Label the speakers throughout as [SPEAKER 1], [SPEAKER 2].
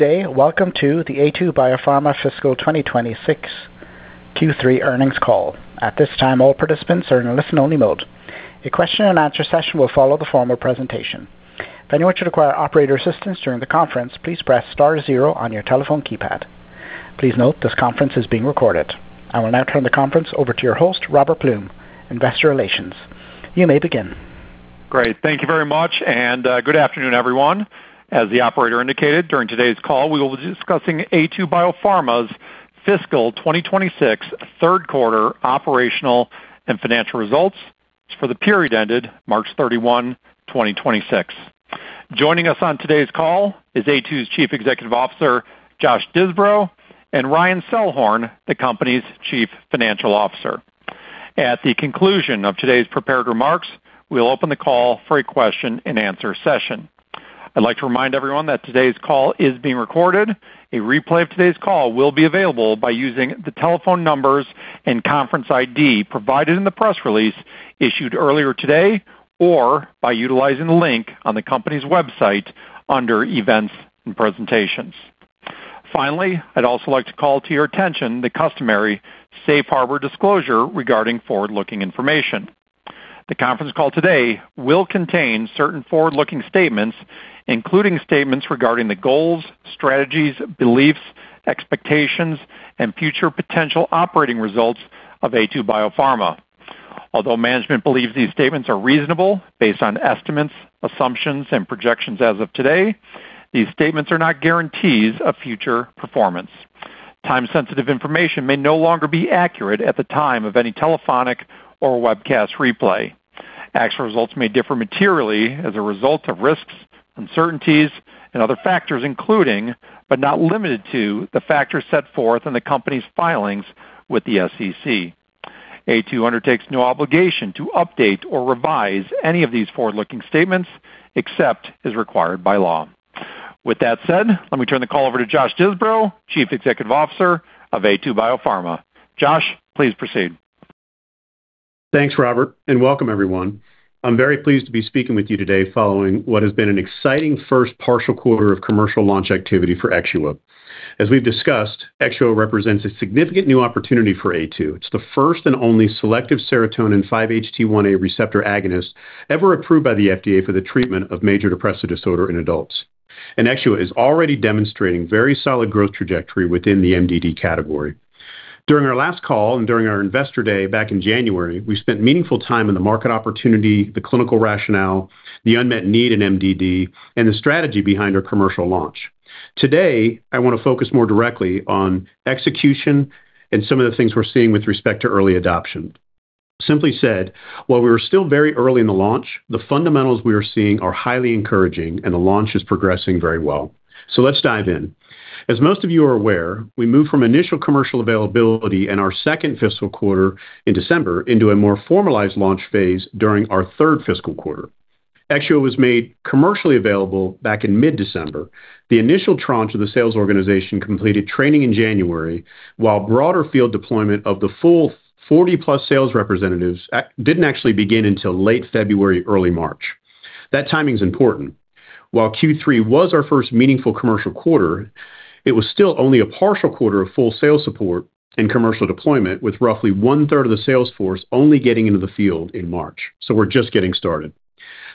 [SPEAKER 1] Today, welcome to the Aytu BioPharma fiscal 2026 Q3 earnings call. At this time, all participants are in a listen-only mode. A question and answer session will follow the formal presentation. If anyone should require operator assistance during the conference, please press star zero on your telephone keypad. Please note this conference is being recorded. I will now turn the conference over to your host, Robert Blum, Investor Relations. You may begin.
[SPEAKER 2] Great. Thank you very much. Good afternoon, everyone. As the operator indicated, during today's call, we will be discussing Aytu BioPharma's fiscal 2026 Q3 operational and financial results for the period ended March 31, 2026. Joining us on today's call is Aytu's Chief Executive Officer, Josh Disbrow, and Ryan Selhorn, the company's Chief Financial Officer. At the conclusion of today's prepared remarks, we'll open the call for a question and answer session. I'd like to remind everyone that today's call is being recorded. A replay of today's call will be available by using the telephone numbers and conference ID provided in the press release issued earlier today or by utilizing the link on the company's website under Events and Presentations. I'd also like to call to your attention the customary safe harbor disclosure regarding forward-looking information. The conference call today will contain certain forward-looking statements, including statements regarding the goals, strategies, beliefs, expectations, and future potential operating results of Aytu BioPharma. Although management believes these statements are reasonable, based on estimates, assumptions, and projections as of today, these statements are not guarantees of future performance. Time-sensitive information may no longer be accurate at the time of any telephonic or webcast replay. Actual results may differ materially as a result of risks, uncertainties, and other factors, including, but not limited to, the factors set forth in the company's filings with the SEC. Aytu undertakes no obligation to update or revise any of these forward-looking statements except as required by law. With that said, let me turn the call over to Josh Disbrow, Chief Executive Officer of Aytu BioPharma. Josh, please proceed.
[SPEAKER 3] Thanks, Robert, welcome everyone. I'm very pleased to be speaking with you today following what has been an exciting first partial quarter of commercial launch activity for EXXUA. As we've discussed, EXXUA represents a significant new opportunity for Aytu. It's the first and only selective serotonin 5-HT1A receptor agonist ever approved by the FDA for the treatment of major depressive disorder in adults. EXXUA is already demonstrating very solid growth trajectory within the MDD category. During our last call and during our investor day back in January, we spent meaningful time in the market opportunity, the clinical rationale, the unmet need in MDD, and the strategy behind our commercial launch. Today, I want to focus more directly on execution and some of the things we're seeing with respect to early adoption. Simply said, while we were still very early in the launch, the fundamentals we are seeing are highly encouraging and the launch is progressing very well. Let's dive in. As most of you are aware, we moved from initial commercial availability in our second fiscal quarter in December into a more formalized launch phase during our third fiscal quarter. EXXUA was made commercially available back in mid-December. The initial tranche of the sales organization completed training in January, while broader field deployment of the full 40+ sales representatives didn't actually begin until late February, early March. That timing's important. While Q3 was our first meaningful commercial quarter, it was still only a partial quarter of full sales support and commercial deployment, with roughly one-third of the sales force only getting into the field in March. We're just getting started.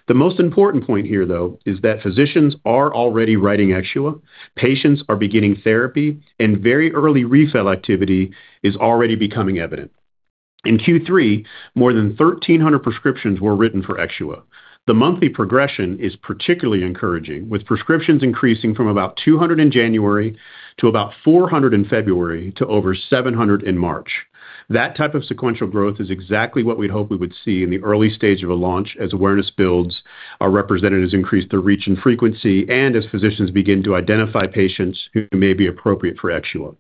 [SPEAKER 3] The most important point here, though, is that physicians are already writing EXXUA. Patients are beginning therapy and very early refill activity is already becoming evident. In Q3, more than 1,300 prescriptions were written for EXXUA. The monthly progression is particularly encouraging, with prescriptions increasing from about 200 in January to about 400 in February to over 700 in March. That type of sequential growth is exactly what we'd hoped we would see in the early stage of a launch as awareness builds, our representatives increase their reach and frequency, and as physicians begin to identify patients who may be appropriate for EXXUA.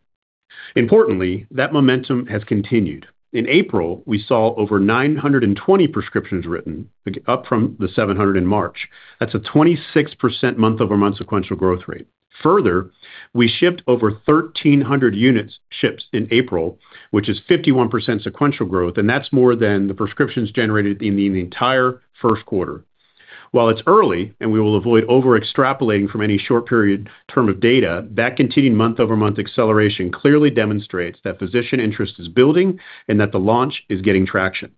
[SPEAKER 3] Importantly, that momentum has continued. In April, we saw over 920 prescriptions written, up from the 700 in March. That's a 26% month-over-month sequential growth rate. Further, we shipped over 1,300 units shipped in April, which is 51% sequential growth, and that's more than the prescriptions generated in the entire Q1. While it's early, and we will avoid over-extrapolating from any short period term of data, that continued month-over-month acceleration clearly demonstrates that physician interest is building and that the launch is getting traction.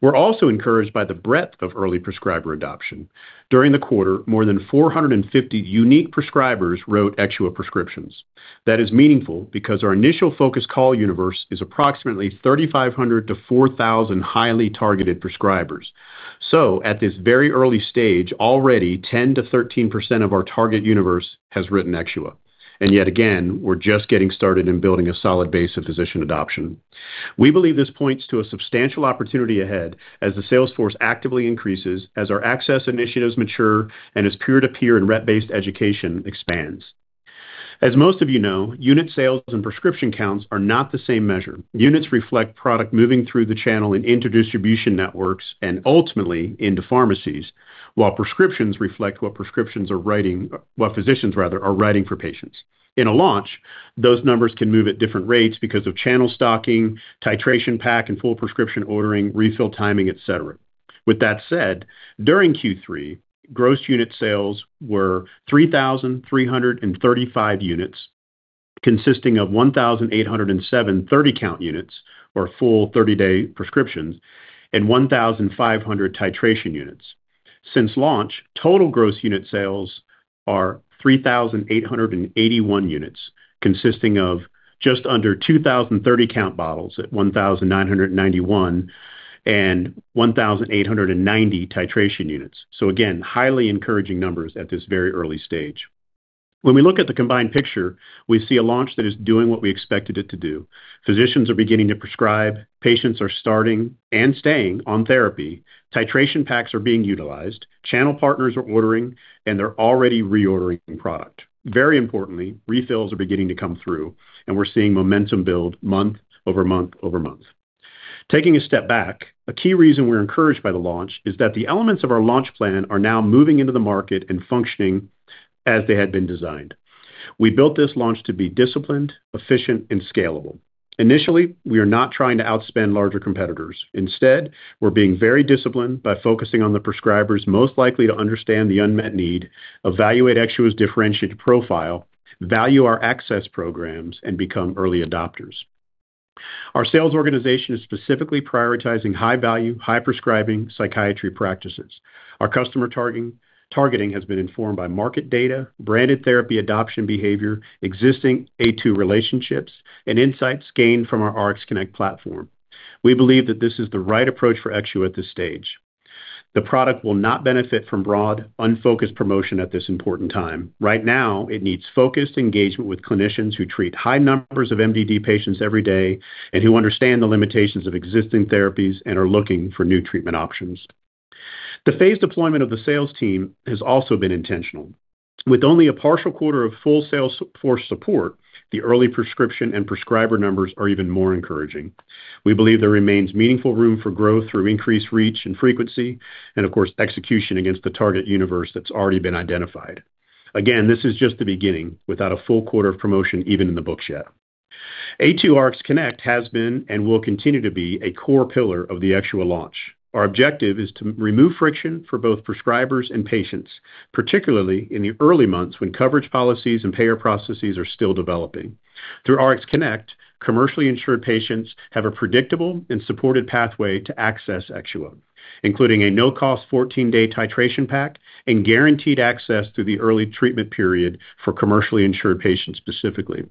[SPEAKER 3] We're also encouraged by the breadth of early prescriber adoption. During the quarter, more than 450 unique prescribers wrote EXXUA prescriptions. That is meaningful because our initial focus call universe is approximately 3,500-4,000 highly targeted prescribers. At this very early stage, already 10%-13% of our target universe has written EXXUA. Yet again, we're just getting started in building a solid base of physician adoption. We believe this points to a substantial opportunity ahead as the sales force actively increases, as our access initiatives mature, and as peer-to-peer and rep-based education expands. As most of you know, unit sales and prescription counts are not the same measure. Units reflect product moving through the channel and into distribution networks and ultimately into pharmacies, while prescriptions reflect what physicians, rather, are writing for patients. In a launch, those numbers can move at different rates because of channel stocking, titration pack, and full prescription ordering, refill timing, et cetera. With that said, during Q3, gross unit sales were 3,335 units, consisting of 1,807 30-count units or full 30-day prescriptions and 1,500 titration units. Since launch, total gross unit sales are 3,881 units, consisting of just under 2,030 count bottles at 1,991 and 1,890 titration units. Again, highly encouraging numbers at this very early stage. When we look at the combined picture, we see a launch that is doing what we expected it to do. Physicians are beginning to prescribe, patients are starting and staying on therapy. Titration packs are being utilized, channel partners are ordering, and they're already reordering product. Very importantly, refills are beginning to come through, and we're seeing momentum build month-over-month-over-month. Taking a step back, a key reason we're encouraged by the launch is that the elements of our launch plan are now moving into the market and functioning as they had been designed. We built this launch to be disciplined, efficient, and scalable. Initially, we are not trying to outspend larger competitors. Instead, we're being very disciplined by focusing on the prescribers most likely to understand the unmet need, evaluate EXXUA's differentiated profile, value our access programs, and become early adopters. Our sales organization is specifically prioritizing high-value, high-prescribing psychiatry practices. Our customer targeting has been informed by market data, branded therapy adoption behavior, existing Aytu relationships, and insights gained from our RxConnect platform. We believe that this is the right approach for EXXUA at this stage. The product will not benefit from broad, unfocused promotion at this important time. Right now, it needs focused engagement with clinicians who treat high numbers of MDD patients every day and who understand the limitations of existing therapies and are looking for new treatment options. The phased deployment of the sales team has also been intentional. With only a partial quarter of full sales force support, the early prescription and prescriber numbers are even more encouraging. We believe there remains meaningful room for growth through increased reach and frequency and of course, execution against the target universe that's already been identified. Again, this is just the beginning without a full quarter of promotion even in the books yet. Aytu RxConnect has been and will continue to be a core pillar of the EXXUA launch. Our objective is to remove friction for both prescribers and patients, particularly in the early months when coverage policies and payer processes are still developing. Through RxConnect, commercially insured patients have a predictable and supported pathway to access EXXUA, including a no-cost 14-day titration pack and guaranteed access through the early treatment period for commercially insured patients specifically.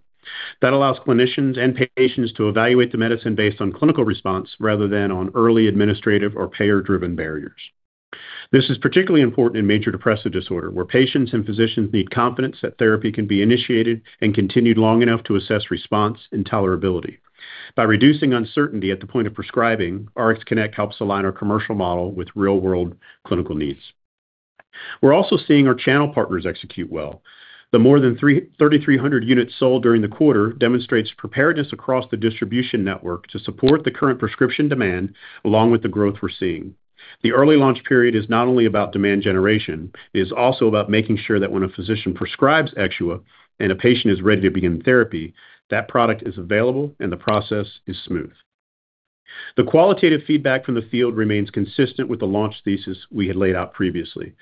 [SPEAKER 3] That allows clinicians and patients to evaluate the medicine based on clinical response rather than on early administrative or payer-driven barriers. This is particularly important in major depressive disorder, where patients and physicians need confidence that therapy can be initiated and continued long enough to assess response and tolerability. By reducing uncertainty at the point of prescribing, RxConnect helps align our commercial model with real-world clinical needs. We're also seeing our channel partners execute well. The more than 3,300 units sold during the quarter demonstrates preparedness across the distribution network to support the current prescription demand along with the growth we're seeing. The early launch period is not only about demand generation, it is also about making sure that when a physician prescribes EXXUA and a patient is ready to begin therapy, that product is available and the process is smooth. The qualitative feedback from the field remains consistent with the launch thesis we had laid out previously.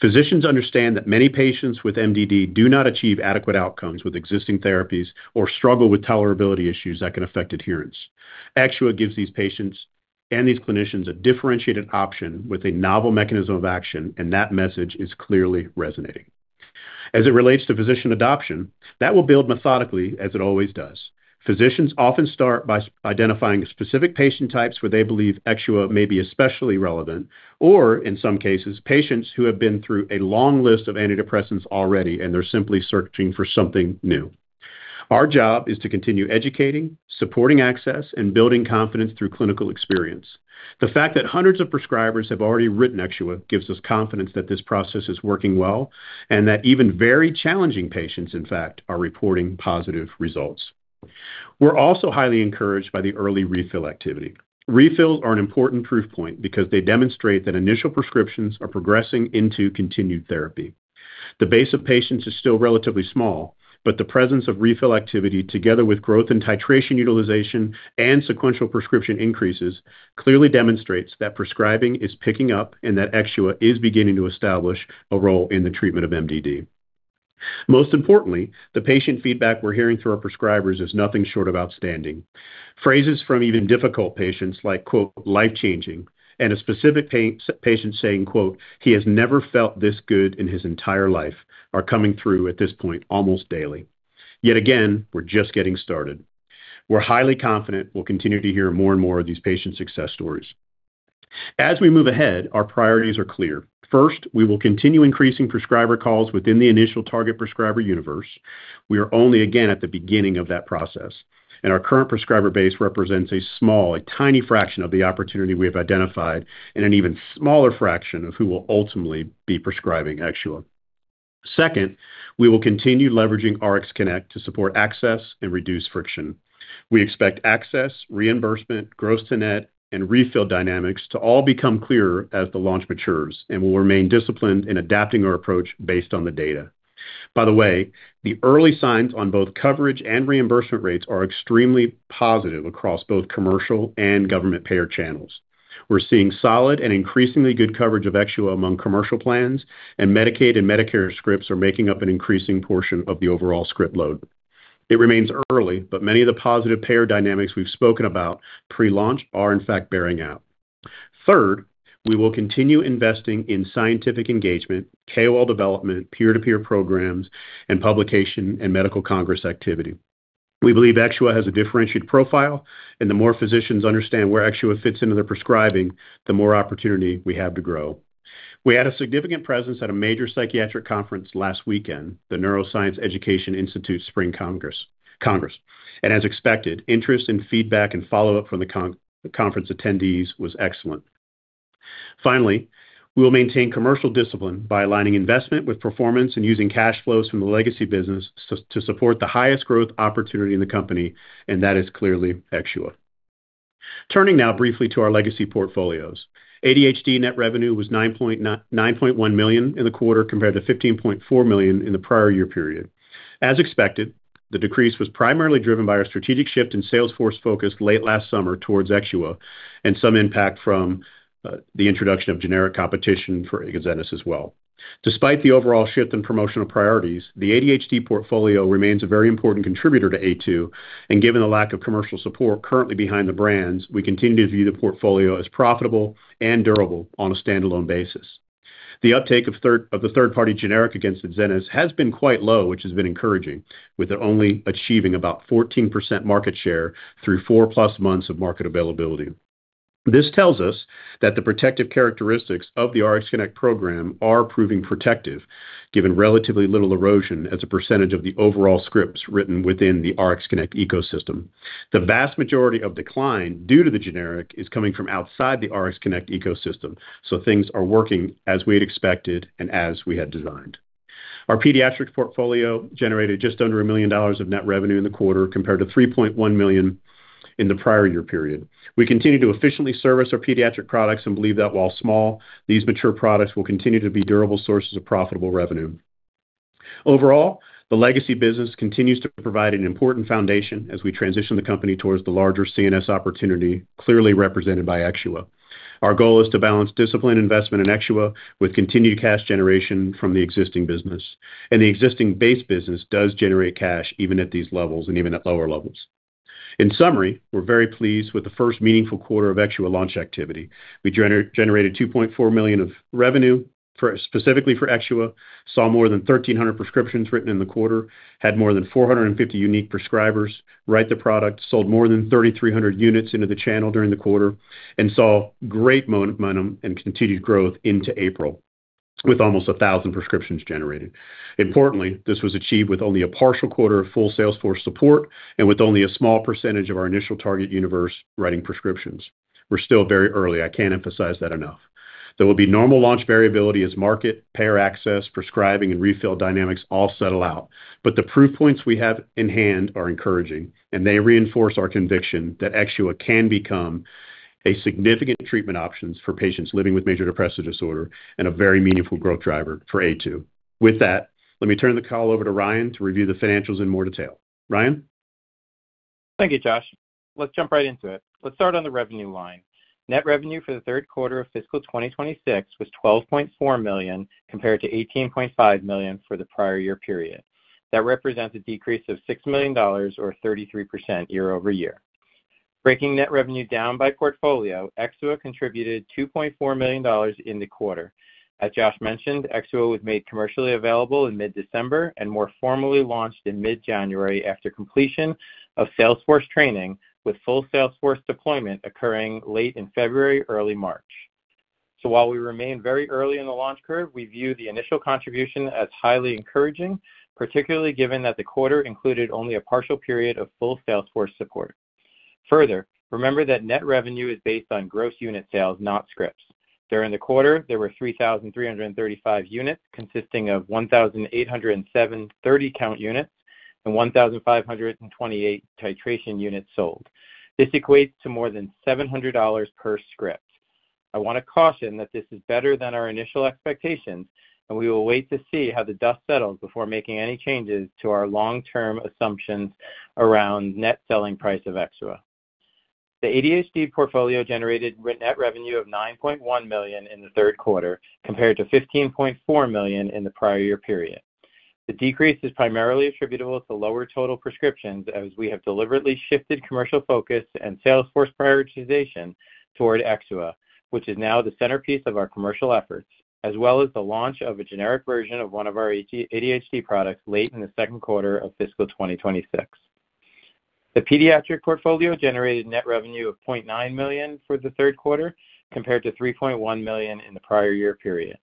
[SPEAKER 3] Physicians understand that many patients with MDD do not achieve adequate outcomes with existing therapies or struggle with tolerability issues that can affect adherence. EXXUA gives these patients and these clinicians a differentiated option with a novel mechanism of action. That message is clearly resonating. As it relates to physician adoption, that will build methodically as it always does. Physicians often start by identifying specific patient types where they believe EXXUA may be especially relevant, or in some cases, patients who have been through a long list of antidepressants already and they're simply searching for something new. Our job is to continue educating, supporting access, and building confidence through clinical experience. The fact that hundreds of prescribers have already written EXXUA gives us confidence that this process is working well and that even very challenging patients, in fact, are reporting positive results. We're also highly encouraged by the early refill activity. Refills are an important proof point because they demonstrate that initial prescriptions are progressing into continued therapy. The base of patients is still relatively small, but the presence of refill activity together with growth in titration utilization and sequential prescription increases clearly demonstrates that prescribing is picking up and that EXXUA is beginning to establish a role in the treatment of MDD. Most importantly, the patient feedback we're hearing through our prescribers is nothing short of outstanding. Phrases from even difficult patients like, quote, "life-changing," and a specific patient saying, quote, "He has never felt this good in his entire life," are coming through at this point almost daily. Yet again, we're just getting started. We're highly confident we'll continue to hear more and more of these patient success stories. As we move ahead, our priorities are clear. First, we will continue increasing prescriber calls within the initial target prescriber universe. We are only again at the beginning of that process, and our current prescriber base represents a small, a tiny fraction of the opportunity we have identified and an even smaller fraction of who will ultimately be prescribing EXXUA. Second, we will continue leveraging RxConnect to support access and reduce friction. We expect access, reimbursement, gross to net, and refill dynamics to all become clearer as the launch matures and will remain disciplined in adapting our approach based on the data. By the way, the early signs on both coverage and reimbursement rates are extremely positive across both commercial and government payer channels. We're seeing solid and increasingly good coverage of EXXUA among commercial plans, and Medicaid and Medicare scripts are making up an increasing portion of the overall script load. It remains early, but many of the positive payer dynamics we've spoken about pre-launch are in fact bearing out. Third, we will continue investing in scientific engagement, KOL development, peer-to-peer programs, and publication and medical congress activity. We believe EXXUA has a differentiated profile, and the more physicians understand where EXXUA fits into their prescribing, the more opportunity we have to grow. We had a significant presence at a major psychiatric conference last weekend, the NEI Spring Congress. As expected, interest and feedback and follow-up from the conference attendees was excellent. Finally, we'll maintain commercial discipline by aligning investment with performance and using cash flows from the legacy business to support the highest growth opportunity in the company, and that is clearly EXXUA. Turning now briefly to our legacy portfolios. ADHD net revenue was $9.1 million in the quarter compared to $15.4 million in the prior year period. As expected, the decrease was primarily driven by our strategic shift in sales force focus late last summer towards EXXUA and some impact from the introduction of generic competition for Adzenys as well. Despite the overall shift in promotional priorities, the ADHD portfolio remains a very important contributor to Aytu, and given the lack of commercial support currently behind the brands, we continue to view the portfolio as profitable and durable on a standalone basis. The uptake of the third-party generic against Adzenys has been quite low, which has been encouraging, with it only achieving about 14% market share through 4+ months of market availability. This tells us that the protective characteristics of the Aytu RxConnect program are proving protective, given relatively little erosion as a percentage of the overall scripts written within the Aytu RxConnect ecosystem. The vast majority of decline due to the generic is coming from outside the Aytu RxConnect ecosystem, things are working as we had expected and as we had designed. Our Pediatric Portfolio generated just under $1 million of net revenue in the quarter compared to $3.1 million in the prior-year period. We continue to efficiently service our pediatric products and believe that while small, these mature products will continue to be durable sources of profitable revenue. Overall, the legacy business continues to provide an important foundation as we transition the company towards the larger CNS opportunity, clearly represented by EXXUA. Our goal is to balance disciplined investment in EXXUA with continued cash generation from the existing business, and the existing base business does generate cash even at these levels and even at lower levels. In summary, we're very pleased with the first meaningful quarter of EXXUA launch activity. We generated $2.4 million of revenue for, specifically for EXXUA, saw more than 1,300 prescriptions written in the quarter, had more than 450 unique prescribers write the product, sold more than 3,300 units into the channel during the quarter, and saw great momentum and continued growth into April with almost 1,000 prescriptions generated. Importantly, this was achieved with only a partial quarter of full sales force support and with only a small percentage of our initial target universe writing prescriptions. We're still very early. I can't emphasize that enough. There will be normal launch variability as market, payer access, prescribing, and refill dynamics all settle out. The proof points we have in hand are encouraging, and they reinforce our conviction that EXXUA can become a significant treatment options for patients living with major depressive disorder and a very meaningful growth driver for Aytu. With that, let me turn the call over to Ryan to review the financials in more detail. Ryan?
[SPEAKER 4] Thank you, Josh. Let's jump right into it. Let's start on the revenue line. Net revenue for the Q3 of fiscal 2026 was $12.4 million compared to $18.5 million for the prior year period. That represents a decrease of $6 million or 33% year over year. Breaking net revenue down by portfolio, EXXUA contributed $2.4 million in the quarter. As Josh mentioned, EXXUA was made commercially available in mid-December and more formally launched in mid-January after completion of Salesforce training, with full Salesforce deployment occurring late in February, early March. While we remain very early in the launch curve, we view the initial contribution as highly encouraging, particularly given that the quarter included only a partial period of full Salesforce support. Further, remember that net revenue is based on gross unit sales, not scripts. During the quarter, there were 3,335 units consisting of 1,807 30-count units and 1,528 titration units sold. This equates to more than $700 per script. I want to caution that this is better than our initial expectations, and we will wait to see how the dust settles before making any changes to our long-term assumptions around net selling price of EXXUA. The ADHD portfolio generated net revenue of $9.1 million in the Q3 compared to $15.4 million in the prior year period. The decrease is primarily attributable to lower total prescriptions as we have deliberately shifted commercial focus and sales force prioritization toward EXXUA, which is now the centerpiece of our commercial efforts, as well as the launch of a generic version of one of our ADHD products late in the Q2 of fiscal 2026. The Pediatric Portfolio generated net revenue of $0.9 million for the Q3 compared to $3.1 million in the prior year period.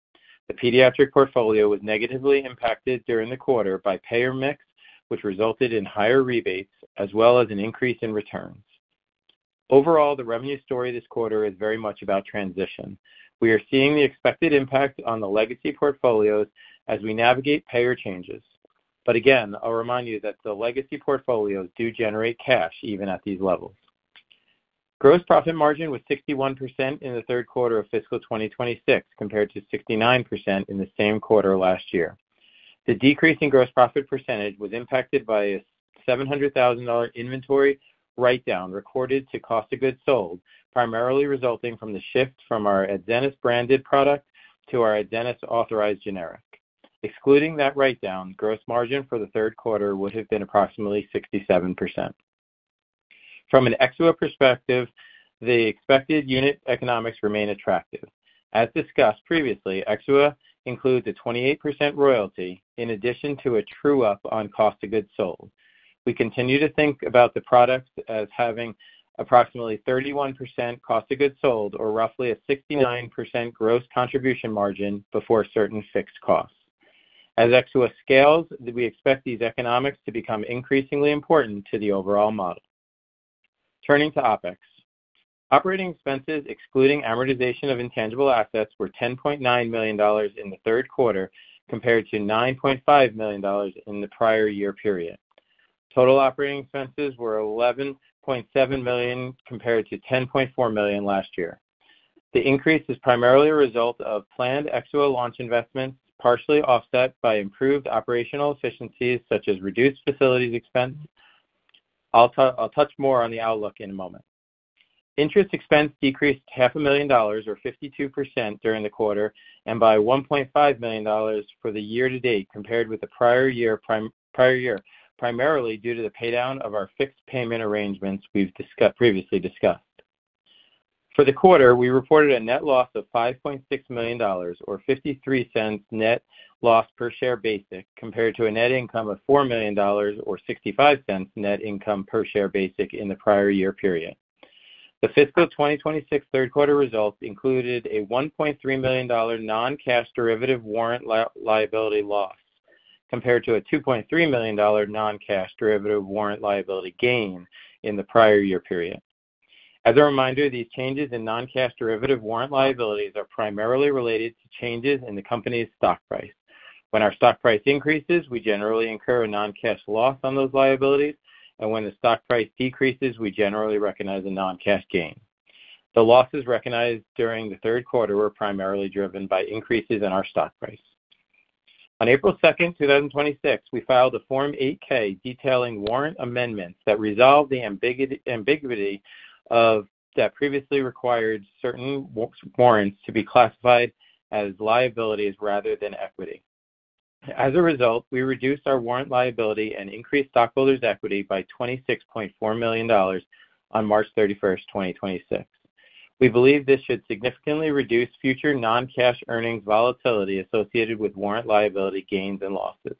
[SPEAKER 4] The Pediatric Portfolio was negatively impacted during the quarter by payer mix, which resulted in higher rebates as well as an increase in returns. Overall, the revenue story this quarter is very much about transition. We are seeing the expected impact on the legacy portfolios as we navigate payer changes. Again, I'll remind you that the legacy portfolios do generate cash even at these levels. Gross profit margin was 61% in the Q3 of fiscal 2026, compared to 69% in the same quarter last year. The decrease in gross profit percentage was impacted by a $700,000 inventory write-down recorded to cost of goods sold, primarily resulting from the shift from our Adzenys branded product to our Adzenys authorized generic. Excluding that write-down, gross margin for the Q3 would have been approximately 67%. From an EXXUA perspective, the expected unit economics remain attractive. As discussed previously, EXXUA includes a 28% royalty in addition to a true-up on cost of goods sold. We continue to think about the product as having approximately 31% cost of goods sold or roughly a 69% gross contribution margin before certain fixed costs. As EXXUA scales, we expect these economics to become increasingly important to the overall model. Turning to OpEx. Operating expenses, excluding amortization of intangible assets, were $10.9 million in the Q3 compared to $9.5 million in the prior year period. Total operating expenses were $11.7 million compared to $10.4 million last year. The increase is primarily a result of planned EXXUA launch investments, partially offset by improved operational efficiencies such as reduced facilities expense. I'll touch more on the outlook in a moment. Interest expense decreased half a million dollars or 52% during the quarter and by $1.5 million for the year to date compared with the prior year, primarily due to the paydown of our fixed payment arrangements we've previously discussed. For the quarter, we reported a net loss of $5.6 million or $0.53 net loss per share basic, compared to a net income of $4 million or $0.65 net income per share basic in the prior year period. The fiscal 2026 Q3 results included a $1.3 million non-cash derivative warrant liability loss, compared to a $2.3 million non-cash derivative warrant liability gain in the prior year period. As a reminder, these changes in non-cash derivative warrant liabilities are primarily related to changes in the company's stock price. When our stock price increases, we generally incur a non-cash loss on those liabilities, and when the stock price decreases, we generally recognize a non-cash gain. The losses recognized during the Q3 were primarily driven by increases in our stock price. On April 2, 2026, we filed a Form 8-K detailing warrant amendments that resolve the ambiguity of that previously required certain warrants to be classified as liabilities rather than equity. As a result, we reduced our warrant liability and increased stockholders' equity by $26.4 million on March 31st, 2026. We believe this should significantly reduce future non-cash earnings volatility associated with warrant liability gains and losses.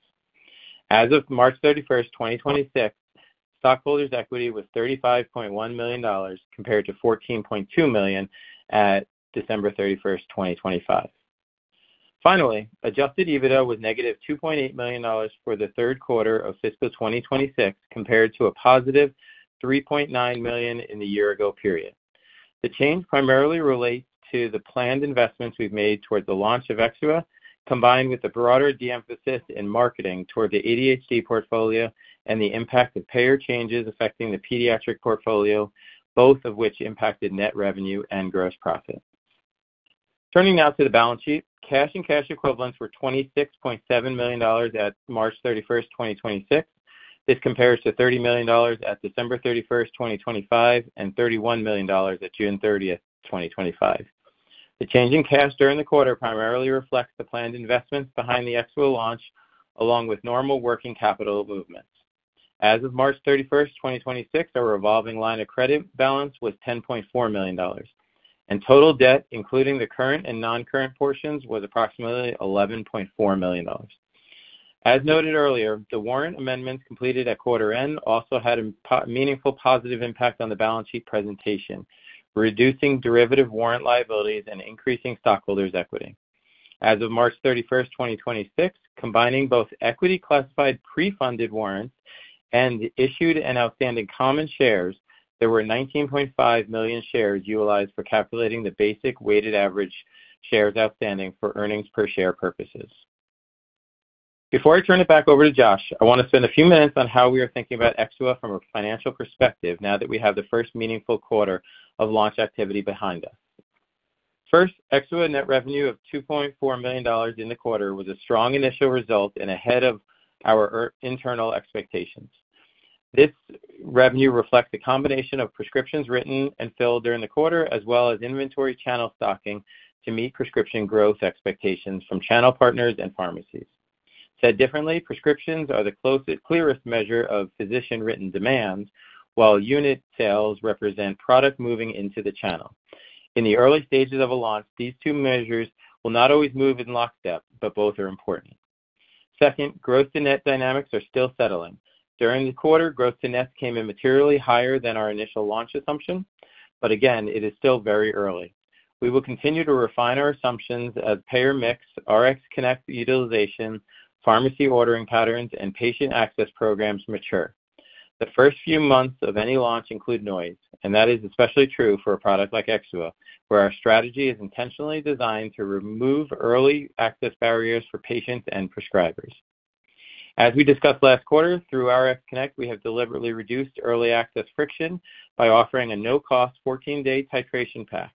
[SPEAKER 4] As of March 31st, 2026, stockholders' equity was $35.1 million compared to $14.2 million at December 31st, 2025. Finally, adjusted EBITDA was -$2.8 million for the third quarter of fiscal 2026 compared to a +$3.9 million in the year ago period. The change primarily relates to the planned investments we've made towards the launch of EXXUA, combined with the broader de-emphasis in marketing toward the ADHD Portfolio and the impact of payer changes affecting the Pediatric Portfolio, both of which impacted net revenue and gross profit. Turning now to the balance sheet. Cash and cash equivalents were $26.7 million at March 31, 2026. This compares to $30 million at December 31, 2025, and $31 million at June 30, 2025. The change in cash during the quarter primarily reflects the planned investments behind the EXXUA launch, along with normal working capital movements. As of March 31st, 2026, our revolving line of credit balance was $10.4 million, and total debt, including the current and non-current portions, was approximately $11.4 million. As noted earlier, the warrant amendments completed at quarter-end also had a meaningful positive impact on the balance sheet presentation, reducing derivative warrant liabilities and increasing stockholders' equity. As of March 31st, 2026, combining both equity classified pre-funded warrants and issued and outstanding common shares, there were 19.5 million shares utilized for calculating the basic weighted average shares outstanding for earnings per share purposes. Before I turn it back over to Josh, I want to spend a few minutes on how we are thinking about EXXUA from a financial perspective now that we have the 1st meaningful quarter of launch activity behind us. First, EXXUA net revenue of $2.4 million in the quarter was a strong initial result and ahead of our internal expectations. This revenue reflects a combination of prescriptions written and filled during the quarter, as well as inventory channel stocking to meet prescription growth expectations from channel partners and pharmacies. Said differently, prescriptions are the closest, clearest measure of physician-written demand, while unit sales represent product moving into the channel. In the early stages of a launch, these two measures will not always move in lockstep, but both are important. Second, gross-to-net dynamics are still settling. During the quarter, growth to net came in materially higher than our initial launch assumption, but again, it is still very early. We will continue to refine our assumptions as payer mix, RxConnect utilization, pharmacy ordering patterns, and patient access programs mature. The first few months of any launch include noise, and that is especially true for a product like EXXUA, where our strategy is intentionally designed to remove early access barriers for patients and prescribers. As we discussed last quarter, through Aytu RxConnect, we have deliberately reduced early access friction by offering a no-cost 14-day titration pack.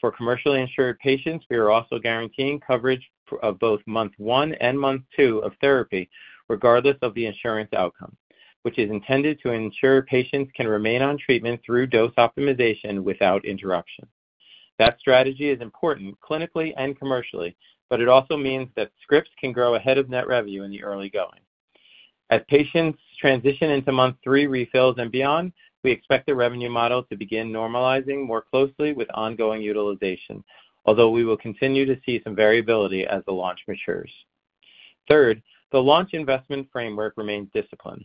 [SPEAKER 4] For commercially insured patients, we are also guaranteeing coverage of both month 1 and month 2 of therapy, regardless of the insurance outcome, which is intended to ensure patients can remain on treatment through dose optimization without interruption. That strategy is important clinically and commercially, but it also means that scripts can grow ahead of net revenue in the early going. As patients transition into month three refills and beyond, we expect the revenue model to begin normalizing more closely with ongoing utilization, although we will continue to see some variability as the launch matures. Third, the launch investment framework remains disciplined.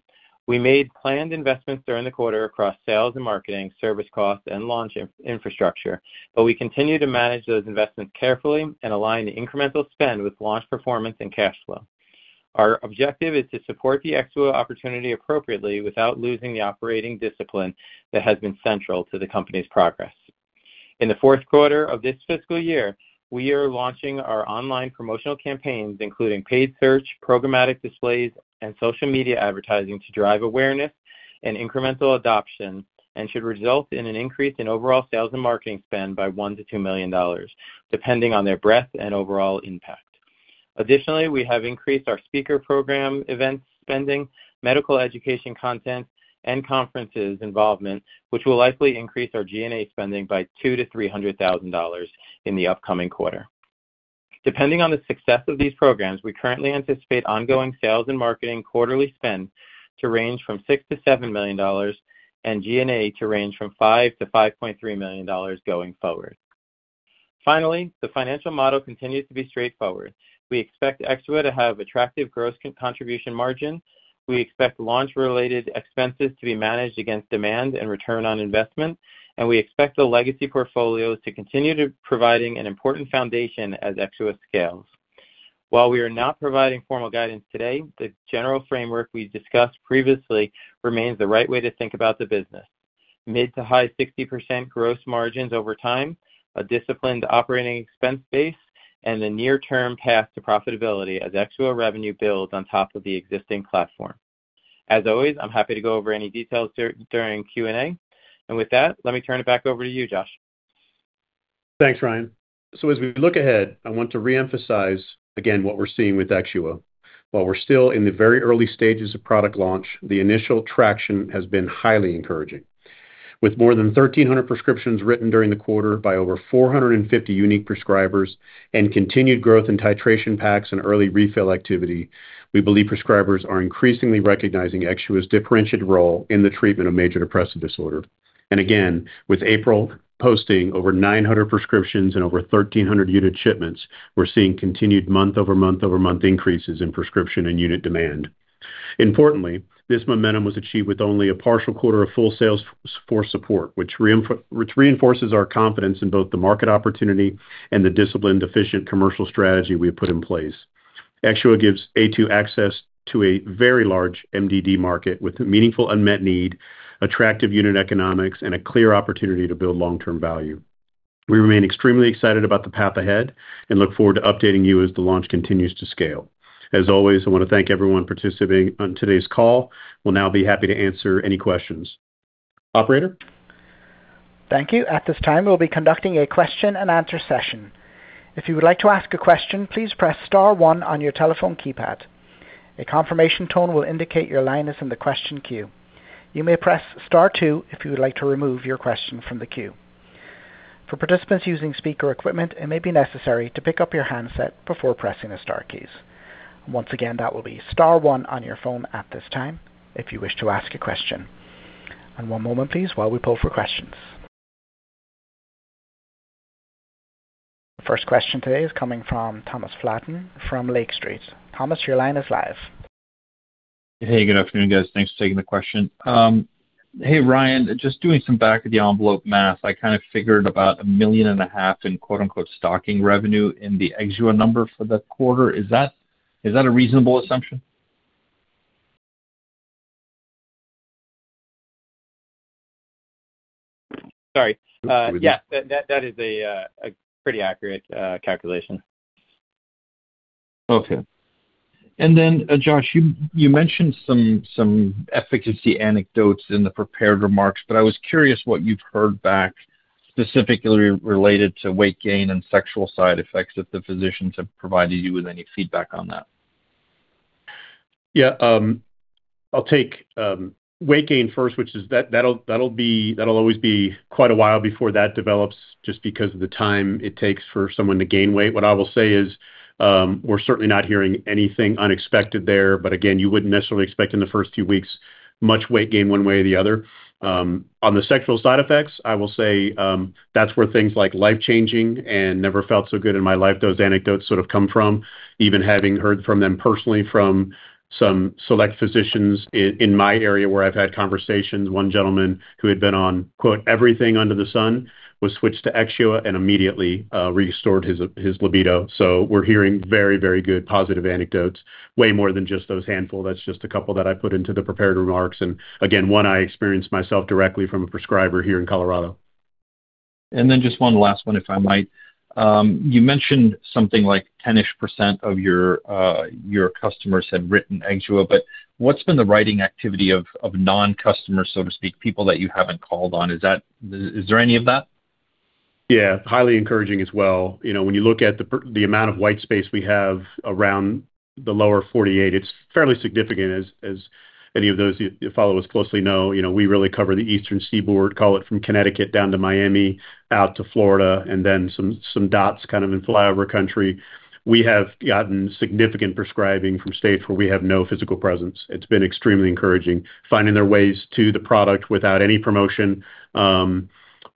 [SPEAKER 4] We made planned investments during the quarter across sales and marketing, service costs, and launch infrastructure, but we continue to manage those investments carefully and align the incremental spend with launch performance and cash flow. Our objective is to support the EXXUA opportunity appropriately without losing the operating discipline that has been central to the company's progress. In the Q4 of this fiscal year, we are launching our online promotional campaigns, including paid search, programmatic displays, and social media advertising to drive awareness and incremental adoption and should result in an increase in overall sales and marketing spend by $1 million-$2 million, depending on their breadth and overall impact. Additionally, we have increased our speaker program events spending, medical education content, and conferences involvement, which will likely increase our G&A spending by $200,000-$300,000 in the upcoming quarter. Depending on the success of these programs, we currently anticipate ongoing sales and marketing quarterly spend to range from $6 million-$7 million and G&A to range from $5 million-$5.3 million going forward. Finally, the financial model continues to be straightforward. We expect EXXUA to have attractive gross contribution margin. We expect launch-related expenses to be managed against demand and return on investment, and we expect the legacy portfolios to continue to providing an important foundation as EXXUA scales. While we are not providing formal guidance today, the general framework we discussed previously remains the right way to think about the business. Mid to high 60% gross margins over time, a disciplined operating expense base, and the near-term path to profitability as EXXUA revenue builds on top of the existing platform. As always, I'm happy to go over any details during Q&A. With that, let me turn it back over to you, Josh.
[SPEAKER 3] Thanks, Ryan. As we look ahead, I want to reemphasize again what we're seeing with EXXUA. While we're still in the very early stages of product launch, the initial traction has been highly encouraging. With more than 1,300 prescriptions written during the quarter by over 450 unique prescribers and continued growth in titration packs and early refill activity, we believe prescribers are increasingly recognizing EXXUA's differentiated role in the treatment of major depressive disorder. Again, with April posting over 900 prescriptions and over 1,300 unit shipments, we're seeing continued month over month increases in prescription and unit demand. Importantly, this momentum was achieved with only a partial quarter of full sales for support, which reinforces our confidence in both the market opportunity and the disciplined, efficient commercial strategy we have put in place. EXXUA gives Aytu access to a very large MDD market with a meaningful unmet need, attractive unit economics, and a clear opportunity to build long-term value. We remain extremely excited about the path ahead and look forward to updating you as the launch continues to scale. As always, I want to thank everyone participating on today's call. We'll now be happy to answer any questions. Operator?
[SPEAKER 1] Thank you. At this time, we'll be conducting a question and answer session. If you would like to ask a question, please press star one on your telephone keypad. A confirmation tone will indicate your line is in the question queue. You may press star two if you would like to remove your question from the queue. For participants using speaker equipment, it may be necessary to pick up your handset before pressing the star keys. Once again, that will be star one on your phone at this time if you wish to ask a question. One moment, please, while we pull for questions. First question today is coming from Thomas Flaten from Lake Street. Thomas, your line is live.
[SPEAKER 5] Hey, good afternoon, guys. Thanks for taking the question. Hey, Ryan, just doing some back of the envelope math, I kind of figured about a million and a half in quote-unquote stocking revenue in the EXXUA number for the quarter. Is that a reasonable assumption?
[SPEAKER 4] Sorry. Yeah, that is a pretty accurate calculation.
[SPEAKER 5] Okay. Josh, you mentioned some efficacy anecdotes in the prepared remarks, but I was curious what you've heard back specifically related to weight gain and sexual side effects if the physicians have provided you with any feedback on that.
[SPEAKER 3] Yeah. I'll take weight gain first, which is that that'll always be quite a while before that develops just because of the time it takes for someone to gain weight. What I will say is, we're certainly not hearing anything unexpected there, but again, you wouldn't necessarily expect in the first few weeks much weight gain one way or the other. On the sexual side effects, I will say, that's where things like life-changing and never felt so good in my life, those anecdotes sort of come from. Even having heard from them personally from some select physicians in my area where I've had conversations. One gentleman who had been on quote, "Everything under the sun," was switched to EXXUA and immediately, restored his libido. We're hearing very, very good positive anecdotes, way more than just those handful. That's just a couple that I put into the prepared remarks, and again, one I experienced myself directly from a prescriber here in Colorado.
[SPEAKER 5] Just one last one, if I might. You mentioned something like 10-ish% of your customers had written EXXUA. What's been the writing activity of non-customers, so to speak, people that you haven't called on? Is there any of that?
[SPEAKER 3] Yeah. Highly encouraging as well. You know, when you look at the amount of white space we have around the lower 48, it's fairly significant as any of those who follow us closely know. You know, we really cover the eastern seaboard, call it from Connecticut down to Miami, out to Florida, and then some dots kind of in flyover country. We have gotten significant prescribing from states where we have no physical presence. It's been extremely encouraging. Finding their ways to the product without any promotion.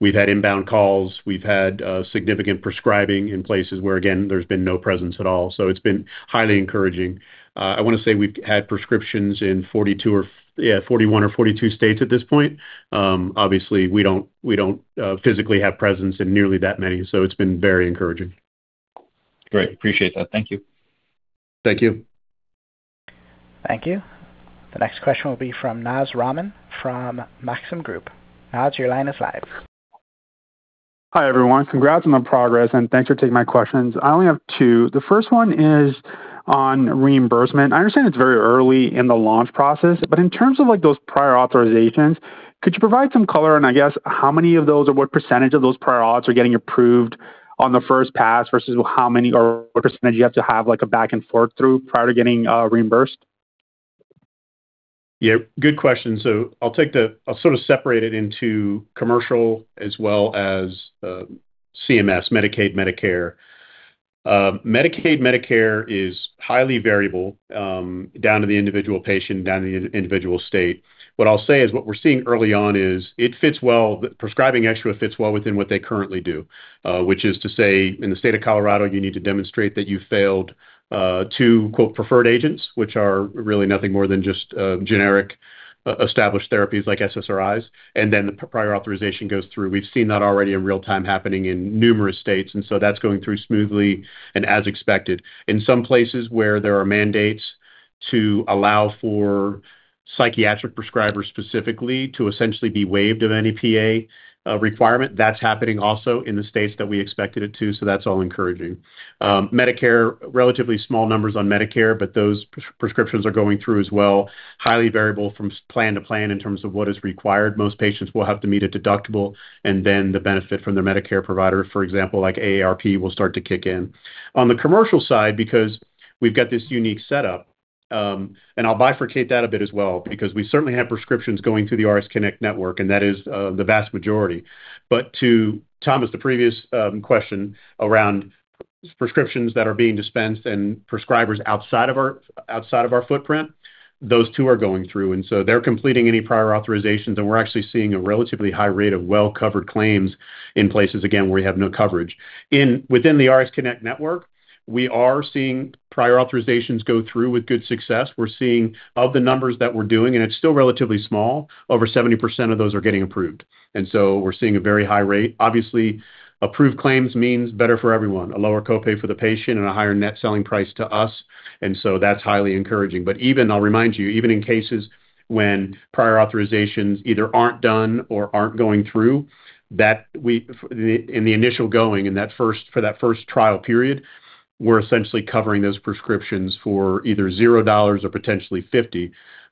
[SPEAKER 3] We've had inbound calls. We've had significant prescribing in places where, again, there's been no presence at all. It's been highly encouraging. I want to say we've had prescriptions in 42 or, yeah, 41 or 42 states at this point. Obviously we don't physically have presence in nearly that many, so it's been very encouraging.
[SPEAKER 5] Great. Appreciate that. Thank you.
[SPEAKER 3] Thank you.
[SPEAKER 1] Thank you. The next question will be from Naz Rahman from Maxim Group. Naz, your line is live.
[SPEAKER 6] Hi, everyone. Congrats on the progress, and thanks for taking my questions. I only have two. The first one is on reimbursement. I understand it's very early in the launch process, but in terms of, like, those prior authorizations, could you provide some color on, I guess, how many of those or what % of those prior auths are getting approved on the first pass versus how many or what % you have to have, like, a back and forth through prior to getting reimbursed?
[SPEAKER 3] Yeah, good question. I'll sort of separate it into commercial as well as CMS, Medicaid, Medicare. Medicaid, Medicare is highly variable, down to the individual patient, down to the individual state. What I'll say is what we're seeing early on is prescribing EXXUA fits well within what they currently do. Which is to say, in the state of Colorado, you need to demonstrate that you failed, two, quote, "preferred agents," which are really nothing more than just generic established therapies like SSRIs, and then the prior authorization goes through. We've seen that already in real time happening in numerous states, and so that's going through smoothly and as expected. In some places where there are mandates to allow for psychiatric prescribers specifically to essentially be waived of any PA requirement, that's happening also in the states that we expected it to. That's all encouraging. Medicare, relatively small numbers on Medicare. Those prescriptions are going through as well. Highly variable from plan to plan in terms of what is required. Most patients will have to meet a deductible. The benefit from their Medicare provider, for example, like AARP, will start to kick in. On the commercial side, because we've got this unique setup, I'll bifurcate that a bit as well, because we certainly have prescriptions going through the Aytu RxConnect network. That is the vast majority. To Thomas Flaten's previous question around prescriptions that are being dispensed and prescribers outside of our footprint, those two are going through. They're completing any prior authorizations, and we're actually seeing a relatively high rate of well-covered claims in places, again, where we have no coverage. Within the Aytu RxConnect network, we are seeing prior authorizations go through with good success. We're seeing of the numbers that we're doing, and it's still relatively small, over 70% of those are getting approved, and so we're seeing a very high rate. Obviously, approved claims means better for everyone, a lower copay for the patient and a higher net selling price to us, and so that's highly encouraging. Even, I'll remind you, even in cases when prior authorizations either aren't done or aren't going through, that in the initial going and for that first trial period, we're essentially covering those prescriptions for either $0 or potentially $50.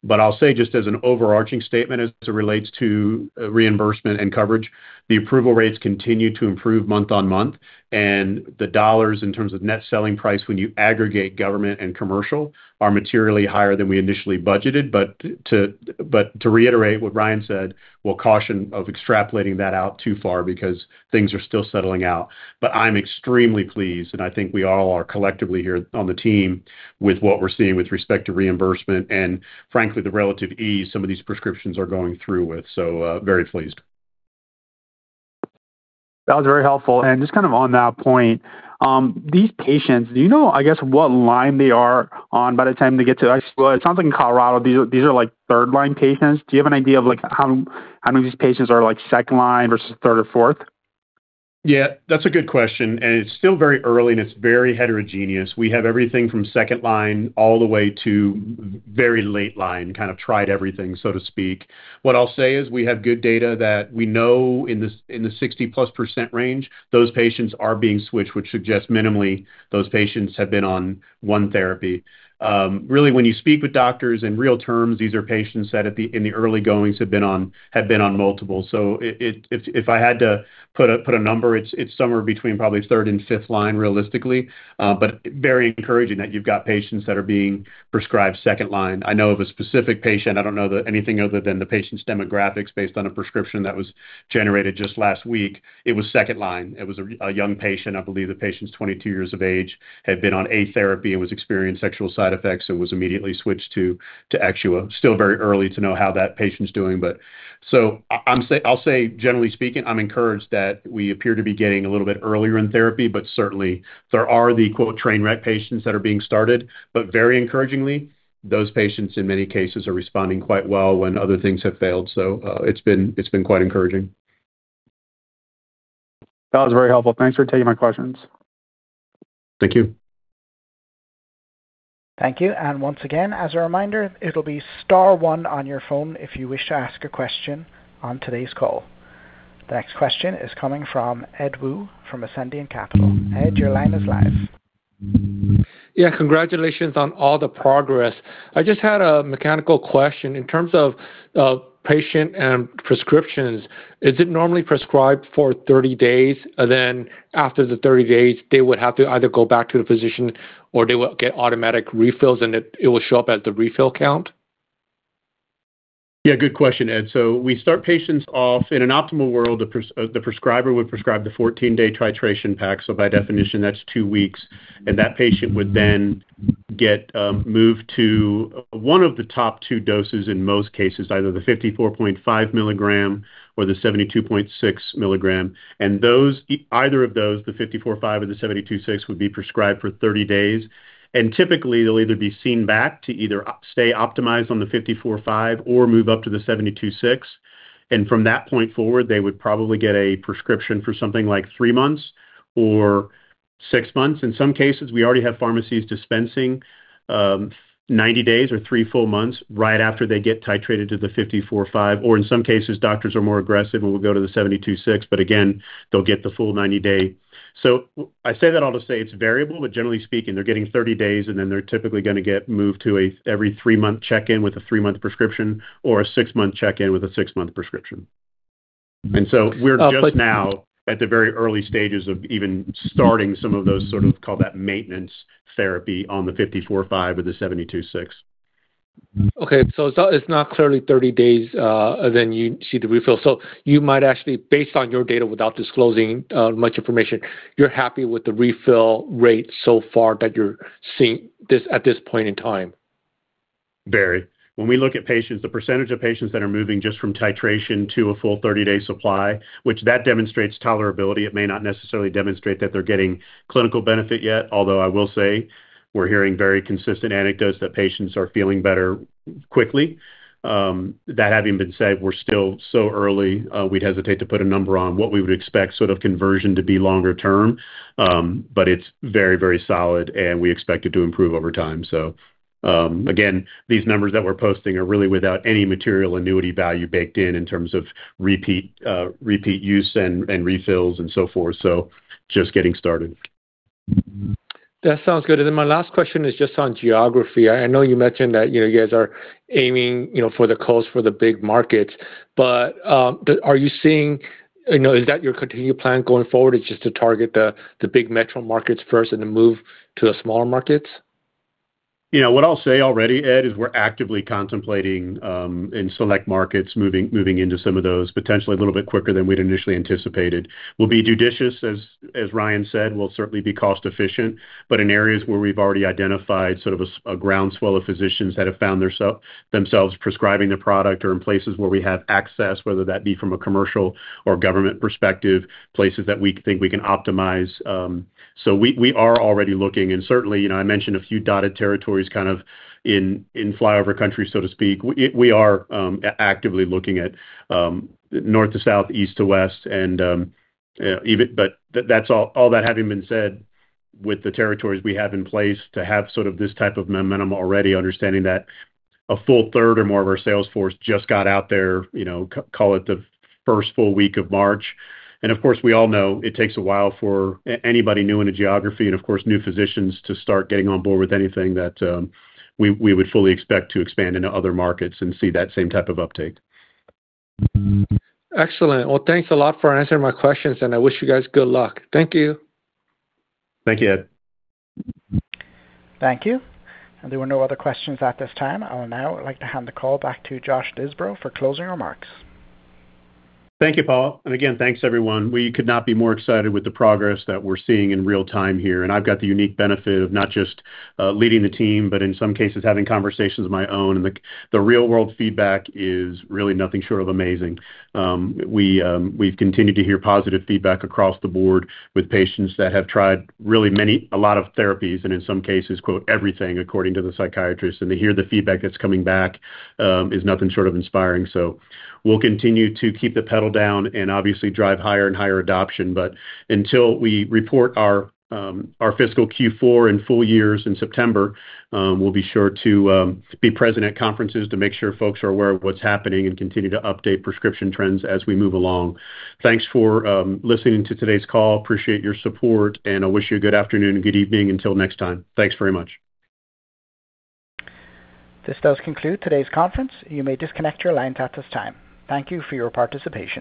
[SPEAKER 3] I'll say just as an overarching statement as it relates to reimbursement and coverage, the approval rates continue to improve month-on-month, and the dollars in terms of net selling price when you aggregate government and commercial are materially higher than we initially budgeted. To reiterate what Ryan said, we'll caution of extrapolating that out too far because things are still settling out. I'm extremely pleased, and I think we all are collectively here on the team with what we're seeing with respect to reimbursement and frankly, the relative ease some of these prescriptions are going through with. Very pleased.
[SPEAKER 6] That was very helpful. Just kind of on that point, these patients, do you know, I guess, what line they are on by the time they get to EXXUA? It sounds like in Colorado, these are like 3rd line patients. Do you have an idea of like how many of these patients are like 2nd line versus 3rd or 4th?
[SPEAKER 3] Yeah, that's a good question. It's still very early, and it's very heterogeneous. We have everything from 2nd line all the way to very late line, kind of tried everything, so to speak. What I'll say is we have good data that we know in the 60%+ range, those patients are being switched, which suggests minimally those patients have been on 1 therapy. Really, when you speak with doctors in real terms, these are patients that in the early goings have been on multiple. If I had to put a number, it's somewhere between probably 3rd and 5th line realistically. Very encouraging that you've got patients that are being prescribed 2nd line. I know of a specific patient. I don't know the anything other than the patient's demographics based on a prescription that was generated just last week. It was second line. It was a young patient. I believe the patient's 22 years of age, had been on a therapy and was experiencing sexual side effects and was immediately switched to EXXUA. Still very early to know how that patient's doing. I'll say generally speaking, I'm encouraged that we appear to be getting a little bit earlier in therapy, but certainly there are the, quote, "train wreck" patients that are being started. Very encouragingly, those patients in many cases are responding quite well when other things have failed. It's been quite encouraging.
[SPEAKER 6] That was very helpful. Thanks for taking my questions.
[SPEAKER 3] Thank you.
[SPEAKER 1] Thank you. Once again, as a reminder, it'll be star one on your phone if you wish to ask a question on today's call. The next question is coming from Edward Woo from Ascendiant Capital. Edward, your line is live.
[SPEAKER 7] Yeah, congratulations on all the progress. I just had a mechanical question. In terms of patient and prescriptions, is it normally prescribed for 30 days, and then after the 30 days, they would have to either go back to the physician or they will get automatic refills and it will show up as the refill count?
[SPEAKER 3] Good question, Edward. We start patients off, in an optimal world, the prescriber would prescribe the 14-day titration pack. By definition, that's two weeks. That patient would then get moved to one of the top two doses in most cases, either the 54.5 mg or the 72.6 mg. Those, either of those, the 54.5 or the 72.6, would be prescribed for 30 days. Typically, they'll either be seen back to either stay optimized on the 54.5 or move up to the 72.6. From that point forward, they would probably get a prescription for something like three months or six months. In some cases, we already have pharmacies dispensing 90 days or three full months right after they get titrated to the 54.5. In some cases, doctors are more aggressive and will go to the 72.6. Again, they'll get the full 90-day. I say that all to say it's variable, but generally speaking, they're getting 30 days, and then they're typically gonna get moved to a every three-month check-in with a three-month prescription or a six-month check-in with a six-month prescription. We're just now at the very early stages of even starting some of those sort of, call that maintenance therapy on the 54.5 or the 72.6.
[SPEAKER 7] Okay. It's not clearly 30 days, then you see the refill. You might actually, based on your data, without disclosing much information, you're happy with the refill rate so far that you're seeing this at this point in time?
[SPEAKER 3] Very. When we look at patients, the percentage of patients that are moving just from titration to a full 30-day supply, which that demonstrates tolerability, it may not necessarily demonstrate that they're getting clinical benefit yet. Although I will say we're hearing very consistent anecdotes that patients are feeling better quickly. That having been said, we're still so early, we'd hesitate to put a number on what we would expect sort of conversion to be longer term. It's very, very solid, and we expect it to improve over time. Again, these numbers that we're posting are really without any material annuity value baked in in terms of repeat use and refills and so forth. Just getting started.
[SPEAKER 7] That sounds good. My last question is just on geography. I know you mentioned that you guys are aiming for the coast, for the big markets. Is that your continued plan going forward is just to target the big metro markets first and then move to the smaller markets?
[SPEAKER 3] You know, what I'll say already, Edward Woo, is we're actively contemplating, in select markets, moving into some of those, potentially a little bit quicker than we'd initially anticipated. We'll be judicious as Ryan Selhorn said. We'll certainly be cost-efficient. In areas where we've already identified sort of a groundswell of physicians that have found themselves prescribing the product or in places where we have access, whether that be from a commercial or government perspective, places that we think we can optimize. We are already looking. Certainly, you know, I mentioned a few dotted territories kind of in flyover country, so to speak. We are actively looking at north to south, east to west, and even. That's all that having been said, with the territories we have in place to have sort of this type of momentum already, understanding that a full third or more of our sales force just got out there, you know, call it the 1st full week of March. Of course, we all know it takes a while for anybody new in a geography and, of course, new physicians to start getting on board with anything that we would fully expect to expand into other markets and see that same type of uptake.
[SPEAKER 7] Excellent. Well, thanks a lot for answering my questions, and I wish you guys good luck. Thank you.
[SPEAKER 3] Thank you, Edward.
[SPEAKER 1] Thank you. There were no other questions at this time. I would now like to hand the call back to Josh Disbrow for closing remarks.
[SPEAKER 3] Thank you, Paul. Again, thanks everyone. We could not be more excited with the progress that we're seeing in real time here. I've got the unique benefit of not just leading the team, but in some cases, having conversations of my own. The real-world feedback is really nothing short of amazing. We've continued to hear positive feedback across the board with patients that have tried a lot of therapies and in some cases, quote, "everything," according to the psychiatrist. To hear the feedback that's coming back is nothing short of inspiring. We'll continue to keep the pedal down and obviously drive higher and higher adoption. Until we report our fiscal Q4 and full years in September, we'll be sure to be present at conferences to make sure folks are aware of what's happening and continue to update prescription trends as we move along. Thanks for listening to today's call. Appreciate your support, and I wish you a good afternoon and good evening until next time. Thanks very much.
[SPEAKER 1] This does conclude today's conference. You may disconnect your lines at this time. Thank you for your participation.